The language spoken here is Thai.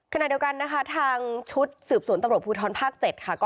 ขณะเดียวกันนะคะทางชุดสืบสวนตำรวจภูทรภาค๗ค่ะ